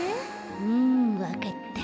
うんわかった。